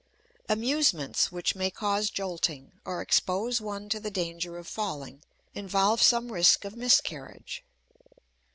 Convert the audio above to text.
Amusements which may cause jolting, or expose one to the danger of falling, involve some risk of miscarriage.